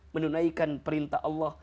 menunaikan perintah allah